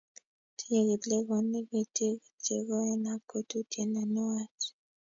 Tinyei kiblekonik itik che koen ak kotutie ne nuech